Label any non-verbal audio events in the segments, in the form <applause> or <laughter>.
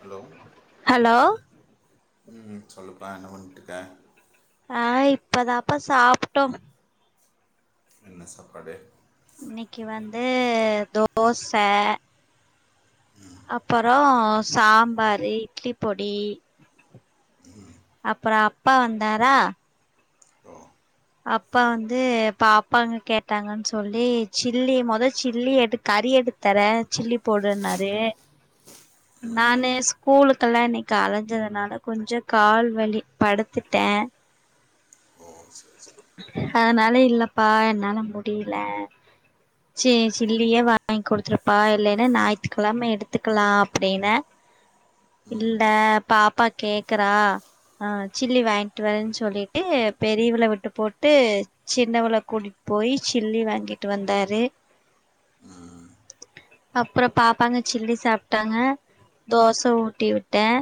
Hello hello ம் சொல்லுப்பா என்ன பண்ட்டுருக்க ஆ இப்பதான்பா சாப்ட்டோ இன்ன சாப்பாடு இன்னைக்கு வந்து தோச அப்புறோ சாம்பாரு இட்லி பொடி அப்புறோ ப்பா வந்தாரா ஓ அப்பா வந்து பாப்பாங்க கேட்டாங்கன்னு சொல்லி சில்லி மொதல் சில்லி எடு கறி எடுத்தரே சில்லி போடுறனாரு நானு ஸ்கூலுக்கெல்லா இன்னிக்கு அலைஞ்சதுனால கொஞ்சோ கால் வலி படுத்துட்டே <inaudible> அனால இல்லப்பா என்னால முடியல சி சில்லியே வாங்கி கொடுத்துருப்பா இல்லைன்னா ஞாயித்துக்கிழம எடுத்துக்கலா அப்பிடின்ன இல்ல பா ப்பா கேக்குறா ஆஹ் சில்லி வாங்கிட்டு வரேன்னு சொல்லிட்டு பெரியவல விட்டு ப்பட்டு போட்டு சின்னவளை கூட்டிகிட்டு போய் சில்லி வாங்கிட்டு வந்தாரு - அப்புறம் பாார்பப்பாங்க சில்லி சாப்பிட்டாங்க தோசை ஊட்டி விட்டேன்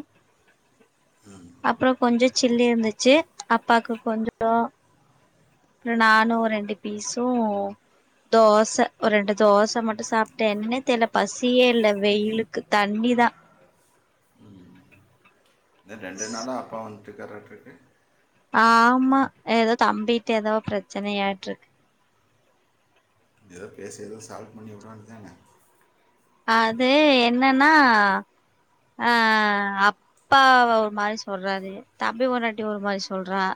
அப்புறம் கொஞ்சம் சில்லி இருந்துச்சு அப்பாக்கு கொஞ்சம் நானும் ஒரு ரெண்டு பீஸும் தோசை ஒரு ரெண்டு தோசை மட்டும் சாப்பிட்டேன் என்ன தெல பசியே இல்லை வெயிலுக்கு தண்ணிதான் இ ரெண்டு நாளா அப்பா வந்துட்டுக்க உ ஆமா ஏதோ தம்பிட்டு ஏதாவோ பிரச்சனையாட்டு இருக்கு ஏதோ பேசு ஏதோ சால்வ் பண்ணி விட தானே அது என்னன்னா ஆஹ் அப்பா ஒரு மாதிரி சொல்றாரு தம்பி முன்னாட்டி ஒரு மாதிரி சொல்றான்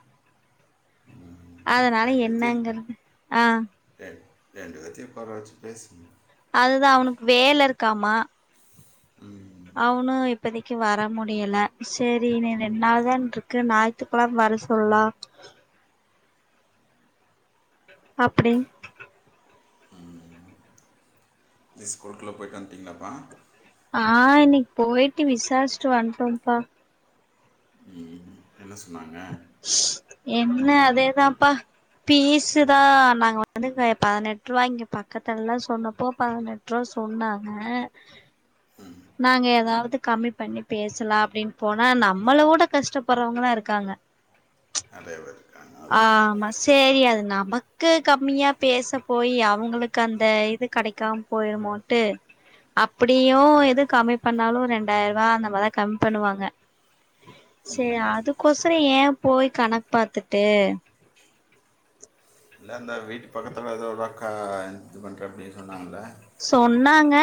அதனால ரெண்டு பேர்த்தையும் என்னங்கறிறது ஆஹ் ரெண்டு ரெண்டு பேத்தையும் பரவச்சு பேசுங்க அதுதான் அவனுக்கு வேலை இருக்காமா உம் அவனும் இப்பதைக்கு வர முடியல சரி நீ ரெனால தான் இருக்கு ஞாயி்த்துக்கழாம் வர சொல்லாம் அப்படி ஸ்கூலுக்குள்ளே போயிட்டு வந்துட்டீங்களாப்பா ஆஹ் இன்னைக்கு போயிட்டு விசாரிச்சிட்டு வண்டோபா என்னாம் சொன்னாங்க என்ன அதேதான்ப்பா பீஸு தான் நாங்க வந்து பதினெட்டு ரூபா இங்க பக்கத்துல எல்லாம் சொன்னப்போ பதினெட்டு ரூபா சொன்னாங்க நாங்க ஏதாவது கம்மி பண்ணி பேசலாம் அப்படின்னு போனா நம்மள கூட கஷ்டப்படுறவங்காம் இருக்காங்க- நிறைய பேர் இருக்காங்க அதுதான் ஆமா சரி அது நமக்கு கம்மியா பேச போய் அவங்களுக்கு அந்த இது கிடைக்காம போயிருமோட்டு அப்படியும் எது கம்மி பண்ணாலும் ரெண்டாயிரம் ரூபா அந்த மாதிரதான் கம்மி பண்ணுவாங்க சரி அதுக்கோசரம் ஏன் போய் கணக்கு பாாரத்துட்டு இல்லை இந்த வீட்டு பக்கத்தில் ஏதோட அக்கா இது பண்ணுற அப்படின்னு சொன்னாங்கள சொன்னாங்க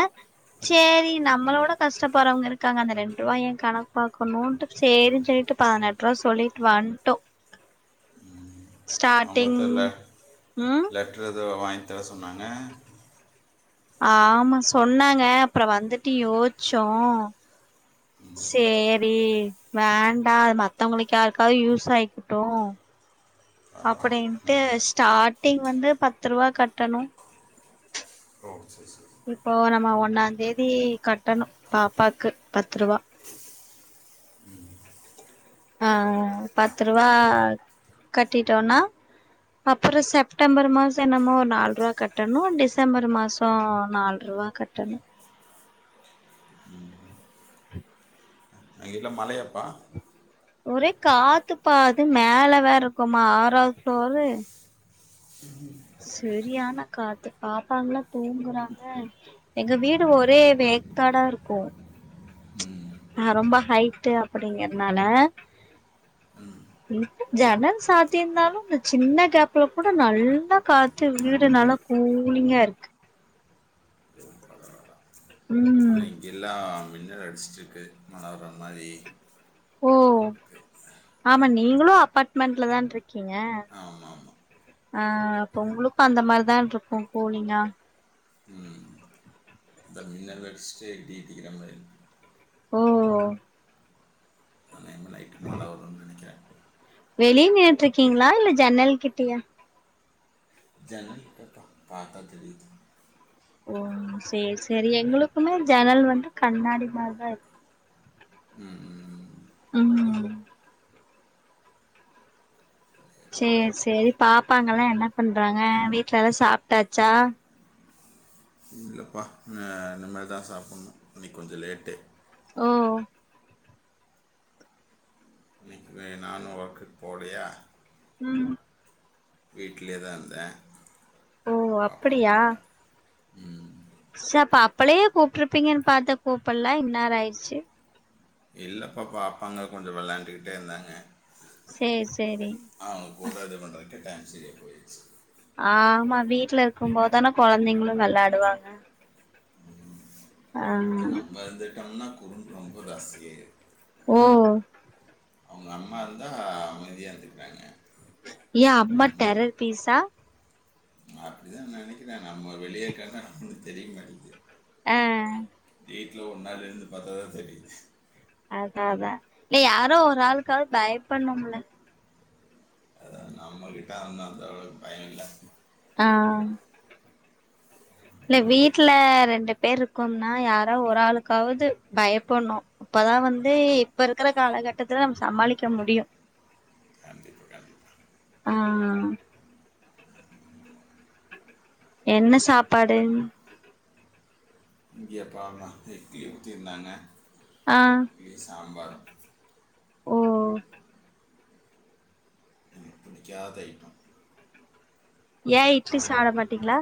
சரி நம்மளோட கஷ்டப்படுறவங்க இருக்காங்க அந்த ரெண்டு ரூபாய ஏன் கணக்கு பாரக்கணும்ட்டு சரின்னு சொல்லிட்டு பதினெட்டு ரூபாய் சொல்லிட்டு வந்துட்டோ ஸ்டார்டிங் உம் இத வாங்கி தர சொன்னாங்க ஆமா சொன்னாங்க அப்புறம் வந்துட்டு யோசிச்சோ சரி வேண்டாம் மத்தவங்களுக்கு யாருக்காவது யூஸ் ஆயிக்கட்டும் ஆ, அப்படின்ட்டு ம் ஸ்டார்டிங் வந்து பத்து ரூபா கட்டணும் ஓ சரி சரி இப்போ நம்ம ஒன்னாம் தேதி கட்டணும் பாப்பாக்கு பத்து ரூபா ஆஹ் பத்து ரூபா கட்டிட்டோனா அப்புறம் செப்டம்பர் மாசம் என்னமோ ஒரு நாலு ரூபா கட்டணும் டிசம்பர் மாசம் நாலு ரூபா கட்டணும் அங்கேல்லாம் மலையாப்பா ஒரே காத்து பாது மேல வேற இருக்குமா ஆராவது ஃபோலுரு சரியானா காத்து பாப்பாங்கல்லாம் தூங்குறாங்க எங்க வீடு ஒரே வேக்காடா இருக்கும் ஆஹ் ரொம்ப ஹைட அப்படிங்கறனால இப்ப ஜனல் சாத்திய இருந்தாலும் இந்த சின்ன கேப்ல கூட நல்லா காத்து வீடு நல்லா கூலிங்கா இருக்கு நா ம் இங்கில்லா மின்னல் அடிச்சட்டுருக்கு மனவர மாதிரி ஓ இருக்கு ஆமா நீங்களும் அப்பார்ட்மெண்ட்லதான் இருக்கீங்க ஆமாம் ஆமாம் ஆஹ்ப்ப உங்களுக்கும் அந்த மாதிரிதான் இருக்கும் போலீங்கா அலஸ்டடிதிக்கிற ஓ ஆனால் இனிமேல் நைட்டு உஹ மழை வரும்னு நினைக்கிறேன் வெளிய நட்டு இருக்கீங்களா இல்ல ஜன்னல் கிட்டியா ஜன்னள்கிட்ட பாாரத்தா தெரித்து ஓம் செரி செரி எங்களுக்குமே ஜனல் வந்டு கண்ணாடி மாரி தா இருக்கு ம் ம் ம் செரி செரி பாப்பாங்கல்லா என்ன பண்றாங்க வீட்டு்ல எல்லா சாப்பிட்டாச்சா இல்லப்பா அ இனிமதா தான் சாப்பிடணு இன்னைக்கி கொஞ்சோ லேட்டே ஓ ஏ நானு உக்குக்ப் போலையா ம் வீட்டிலயே தா ந்தே ஓ அப்படியா ம் ச பாப்பளையே கூப்பிட்ருப்பீங்கன்னு பார்த்தே கூப்பிடல நேராயிடுச்சு இல்லபாப்பா அபாங்க கொஞ்சோ விளையாண்டுக்கிட்டே இருந்தாங்க சேரி சேரி அவங்க கூட இது பண்ணுறதுக்கே டைம் சரியா போயாச்சு ஆ ஆமா வீட்டுல இருக்குபோதுதான குழந்தைங்களு வெளாடுவாங்க ஆ நம்ம எதுட்டம்னா பொருண் ரொம்பதாசியாய் ஓ அவங்க அம்மா இருந்தா அமைதியா இருந்துக்கிறாங்க ஏ அம்ம டரர் பீஸா அப்டித்தா நினைக்கிறே நம்ம வெளியேக்க தா நமக்கொன் தெரில அ வீட்டில ஒருனால்ருந்து பார்த்ததா தெரியுது அத அதா இல்ல யாரோ ஒரு ஆளுக்காவது பயபடனும்ல அத நம்மகிட்ட அந்த அந்தளவுக்கு பயோ இல்ல ஆ இல்ல வீட்டுல ரெண்டு பேர் இருக்கம்னா யாரா ஒரு ஆளுக்காவது பயப்பட்னு அப்பதா வந்து இப்ப இருக்கிற காலகட்டத்துல நாம சமாளிக்க முடியு கண்டிப்பா கண்டிப்பா ஆ என்ன சாப்பாடு எப்பாப்பா எக்கி ஊற்றியிருந்தான்ன ஆ இ சாம்பார் ஓ எனக்கு பிடிக்காதய்ட்டோ ஏன் இட்லி சாட மாட்டீங்களா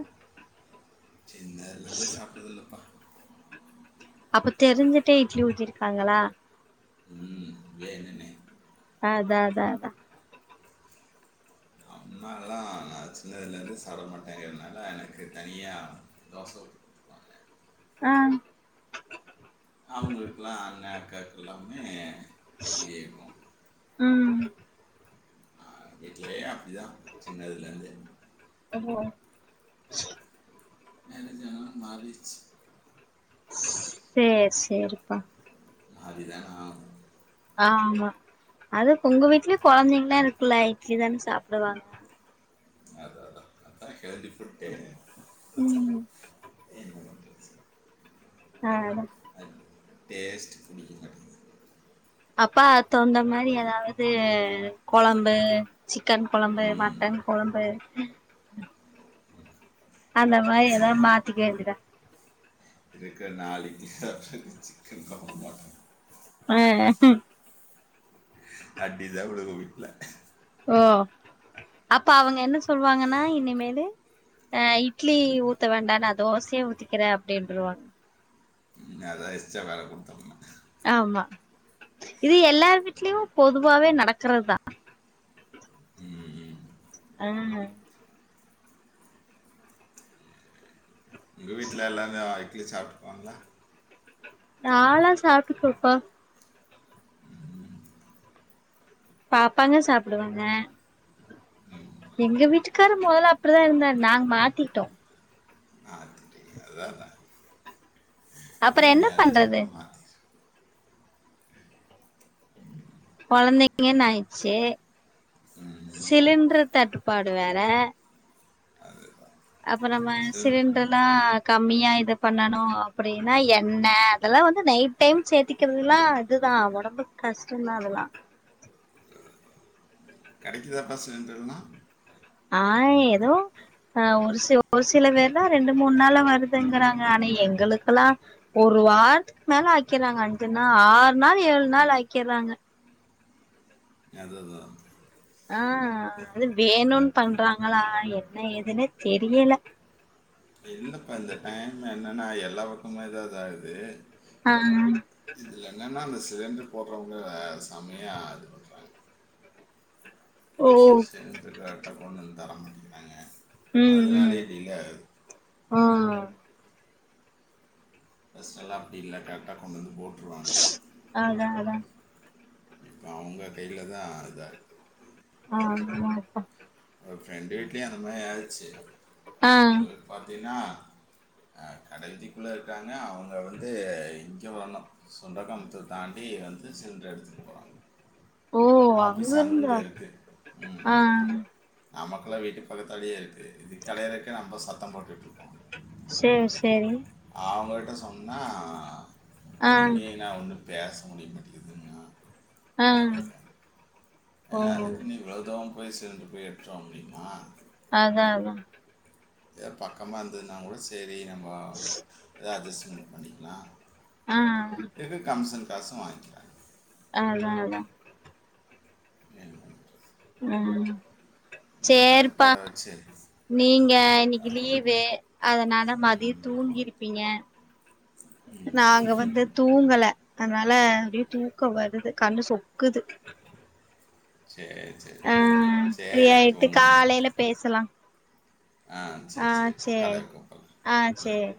சின்னலருந்த சாப்படறதில்ல பா அப்ப தெரிஞ்சுட்டே இட்லி ஊட்டிருக்காங்களா ம் வேனேன்னே அ தா தா அதா அம்மால்லா நா சின்னதுலருந்து சாப்டமாட்டேங்கனால எனக்கு தனியா தோச ஊத்தி கொடுப்பாங்க ஆ அவுங்ளுக்கெல்லா அண்ண கேக் லம்மே திட்டி ஏக்கோ ம் ஆ வீட்லயே அப்டிதா சின்னதுல இருந்தே ஒஹோ மேரேஜானா மாறிருச்சு செர் செரிப்பா மாரிதன ஆவுனு ஆமா அது உங்க வீட்லயு கொழந்தைங்கலா இருக்குல்ல இட்லி தான சாப்டுவாங்க அது அதுதா <unintelligible> ம் என்ன வந்துச்சி ஆ அந் டேஸ்ட் புடிக்கக மாட்டிங்குது அப்பா தொண்ட மாரி ஏதாவது கொழம்பு சிக்கன் கொழம்பு ம் மட்டன் கொழம்பு <unintelligible> அந்த மாரி ஏதாது மாத்திக்க வேண்டியத இருக்கற நாலு இட்லி சாப்ட்டு இது சிக்கன் கொழம்பா அ அடி தா விழுகு வீட்ல ஓ அப்ப அவங்க என்ன சொல்லுவாங்கனா இனிமேலு அ இட்லி ஊத்த வேண்டா நா தோசயோ ஊத்திக்கிற அப்டின்டுருவாங் ஞாயிராச்சா வேல குடுத்தம்ன ஆமா இது எல்லார் வீட்லயு பொதுவாவே நடக்கறது தா ம் ம் அ உங்க வீட்ல எல்லாமே ஆய் இட்லி சாப்டுப்பாங்ளா நாலா சாப்ட்ருக்க பா பாப்பாங்க சாப்டுவாங்க எங்க வீட்டுக்கார் மொதல்ல அப்டிதா இருந்தார் நாங் மாத்திட்டோ <unintelligible> அதா அதா அப்பற என்ன பண்றது மாற்றிட்டேன் கொழந்தைங்கன்னாய்ச்சி சிலிண்ரு தட்டு ப்பாடு வேற அது அப்ப நம்ம சிலிண்டர்லா கம்மியா இது பண்ணணு அப்புடின்னா எண்ண அதல்லா வந்து நைட் டைம் சேத்திக்கிறல்லா இதுதா ஓடம்புக் கஷ்டந்தா அதுலா கடைக்குதாப்பா சிலிண்டர்லா ஆ எதோ ஆ ஒரு சில ஒரு சில பேருதா ரெண்டு மூணு நாள்ல வருதுங்குறாங்க ஆனா எங்களுக்கலா ஒரு வாரத்துக் மேல ஆக்கிறாங்க அஞ்சு நா ஆறு நாள் ஏழு நாள் ஆக்கிர்றாங்க அதுதா ஆ அது வேணுன் பண்றாங்களா என்ன ஏதுனே தெரியல இல்லப்பா இந்த டைம் என்னனா எல்லா பக்கமேதா இதாகுது ஆ இதுல என்னனா அந்த சிலிண்ட்ரு போட்றவுங்க செம்மயா இது பண்றாங்க ஓ சிலிண்ட்ரு கரட்டா கொண்டு வந்து தர மாட் டிக்கிறாங்க ம் ம் ஆ ஃபஸ்ட் எல்லா அப்டிஇல்ல கரெக்டா கொண்டந்து அதா அதா இப்ப அவுங்க கைல தா இதா இருக்கு ஆமாப்பா ஒரு ஃப்ரெண்டு வீ்ட்லயு அந்த மாரி ஆச்சு ஆ அவுங்களுக் பாத்திங்னா அ கடவீதிக்குள்ள இருக்காங்க அவுங்க வந்து இங்க வர்லா சுண்டக்காமாத்துர் தாண்டி வந்து சிலிண்டர் எடுத்துட்டு போறாங்க ஓ அங்க இருந்து வ ஆ நமக்குல்லா வீட்டு பக்கத்துலயே இருக்கு இதுக்கு அலையறக்கே நம்ப சத்தம் போட்டுட்ருக்கோ செர் சேரி அவுங்ககிட்ட சொன்னா ஆ எங்கயு நா‌ வந்து பேச முடிய மாட்டெக்குதுங்க ஆ ஓ ஏங்க அதுக்குனு இவ்ளொ இதா னவு போய் சிலிண்ட்ரு போய் எடுத்துட்டு வர முடியுமா அதா அதா இதா பக்கமா இருந்ததுனா கூட சேரி நம்ம போ எதா‌ அட்ஜஸ்ட்மென்ட் பண்ணிக்கலா ஆ இதுக்கு கமிஷன் காசு வாங்கிறாங்க அதா அதா என்ன பண்றது? அ இந்த சேரிப்பா தட்டுப்பாடை வச்சு நீங்க இன்னைக்கு லீவு அதனால மதிய தூங்கிருப்பீங்க நாங்க வந்து தூங்கல அதனால அப்டி தூக்கோ வருது கண்ணு சொக்குது சேய் சேய் ஆ சேய் ஃப்ரீ சேய் ஆயிட்டு தூங்குங்க காலையில பேசலா ஆ ஆ சரி சரி சேரி பக்கால இருக்கும் பக்கம் ஆ சேரி